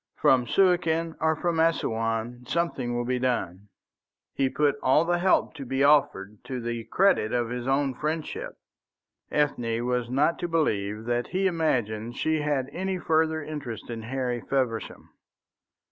From Suakin or from Assouan something will be done." He put all the help to be offered to the credit of his own friendship. Ethne was not to believe that he imagined she had any further interest in Harry Feversham.